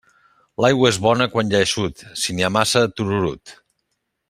L'aigua és bona quan hi ha eixut; si n'hi ha massa, tururut.